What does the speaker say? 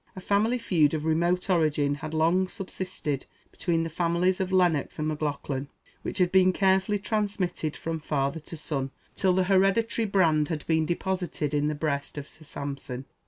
A family feud of remote origin had long subsisted between the families of Lennox and Maclaughlan, which had been carefully transmitted from father to son, till the hereditary brand had been deposited in the breast of Sir Sampson.